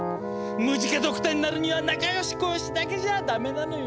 ムジカドクターになるには仲よしこよしだけじゃあダメなのよ。